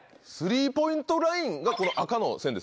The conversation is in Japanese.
３ポイントラインがこの赤の線ですよね。